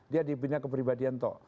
dia dibina kepribadian to